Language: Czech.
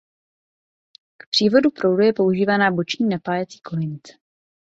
K přívodu proudu je používána boční napájecí kolejnice.